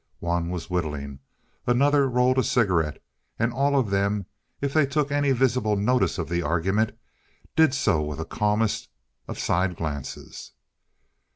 One was whittling, another rolled a cigarette, and all of them, if they took any visible notice of the argument, did so with the calmest of side glances.